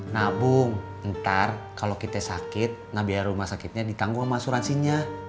nabung ntar kalau kita sakit nah biar rumah sakitnya ditanggung sama asuransinya